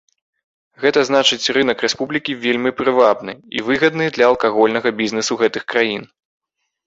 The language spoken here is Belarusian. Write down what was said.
Гэта значыць рынак рэспублікі вельмі прывабны і выгадны для алкагольнага бізнесу гэтых краін.